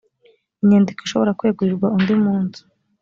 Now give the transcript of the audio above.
inyandiko ishobora kwegurirwa undi munsi